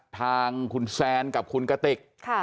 ทางคุณแซนกับคุณกติก